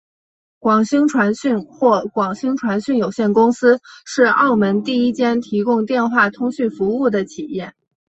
广星传讯或广星传讯有限公司是澳门第一间提供电话通讯服务的企业。